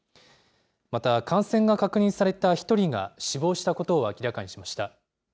また感染が確認された１人が死亡したことを明らかにしました。